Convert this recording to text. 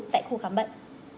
tại khu khám bệnh